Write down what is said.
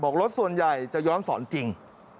รถส่วนใหญ่จะย้อนสอนจริง